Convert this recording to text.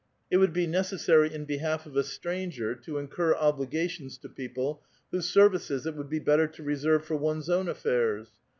It would be necessary in behalf of a stranger to incur obligations to people whose services it would be better to reserve for one's own affairs.